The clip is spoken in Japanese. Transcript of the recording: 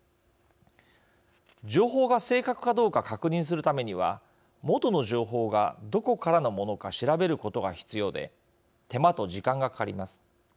情報が正確かどうか確認するためには元の情報がどこからのものか調べることが必要で手間と時間がかかります。